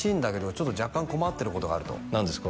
「ちょっと若干困ってることがある」と何ですか？